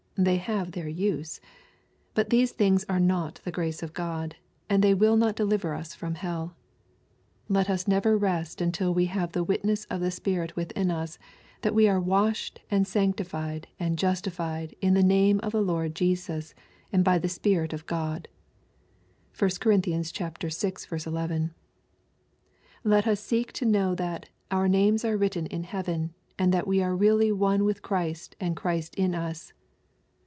They have their use. But these things are not the grace of God, and they will not deliver us from hell. Let us never rest until we have the witness of the Spirit within us that we are " washed, and sancti fied, and justified, in the name of the Lord Jesus and by the Spirit of God/' (1 Cor. vi. 11.) Let us seek to know that " our names are written in heaven," and that we are really one with Christ and Christ in us.